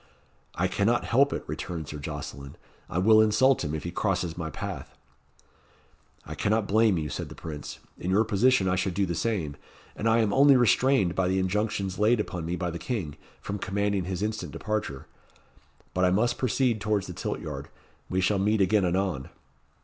"I cannot help it," returned Sir Jocelyn. "I will insult him, if he crosses my path." "I cannot blame you," said the Prince. "In your position I should do the same; and I am only restrained by the injunctions laid upon me by the King, from commanding his instant departure. But I must proceed towards the tilt yard. We shall meet again anon."